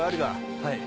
はい。